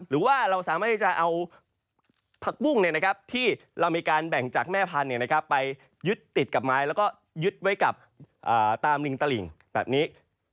หรือว่าเราสามารถที่จะเอาผักบุ้งที่เรามีการแบ่งจากแม่พันธุ์ไปยึดติดกับไม้แล้วก็ยึดไว้กับตามลิงตลิ่งแบบนี้